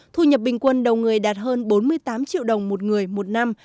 thu nhập bình quân đầu người đạt hơn bốn mươi tám triệu đồng một người một năm